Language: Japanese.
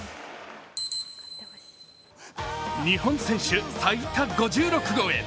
日本選手最多５６号へ。